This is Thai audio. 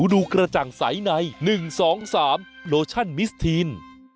ดูกระจ่างใสใน๑๒๓โลชั่นมิสทีน